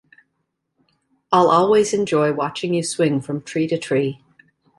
I'll always enjoy watching you swing from tree to tree.